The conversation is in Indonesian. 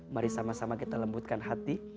mari sama sama kita lembutkan hati